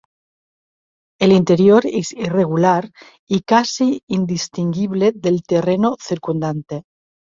El interior es irregular y casi indistinguible del terreno circundante.